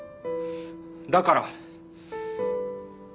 だから。